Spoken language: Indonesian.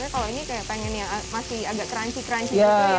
kalau ini kayak pengen yang masih agak crunchy crunchy gitu ya